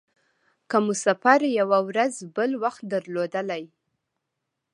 که مو سفر یوه ورځ بل وخت درلودلای.